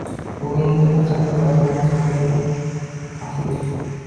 Bugungi kunda qanday zavqlanishni bilgan baxtli